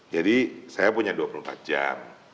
jadi saya punya dua puluh empat jam